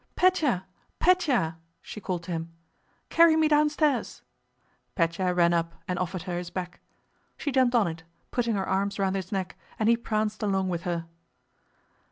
"Pétya! Pétya!" she called to him. "Carry me downstairs." Pétya ran up and offered her his back. She jumped on it, putting her arms round his neck, and he pranced along with her.